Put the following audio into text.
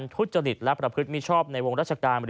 ทุจริตและประพฤติมิชอบในวงราชการ